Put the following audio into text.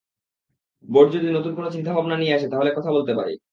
Board যদি নতুন কোনো চিন্তাভাবনা নিয়ে আসে, তাহলে কথা বলতে পারি।